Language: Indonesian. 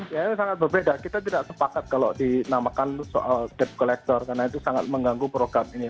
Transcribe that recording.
ya itu sangat berbeda kita tidak sepakat kalau dinamakan soal debt collector karena itu sangat mengganggu program ini